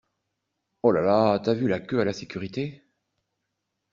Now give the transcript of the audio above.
Holala, t'as vu la queue à la sécurité?!